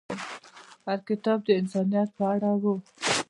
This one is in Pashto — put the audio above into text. هغه کتاب د انسانیت په اړه و.